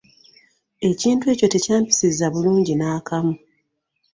Ekintu ekyo tekyampisizza bulungi n'akamu!